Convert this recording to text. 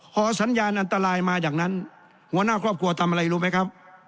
พอสัญญาณอันตรายมาอย่างนั้นหัวหน้าครอบครัวทำอะไรรู้ไหมครับ